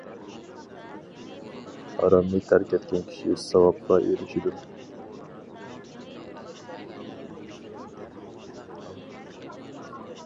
ھارامنى تەرك ئەتكەن كىشى ساۋابقا ئېرىشىدۇ.